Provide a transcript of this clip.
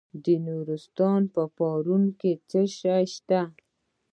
د نورستان په پارون کې څه شی شته؟